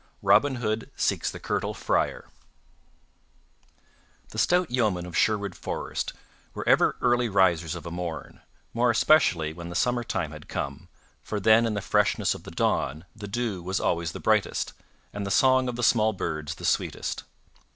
Robin Hood Seeks the Curtal Friar THE STOUT YEOMEN of Sherwood Forest were ever early risers of a morn, more especially when the summertime had come, for then in the freshness of the dawn the dew was always the brightest, and the song of the small birds the sweetest.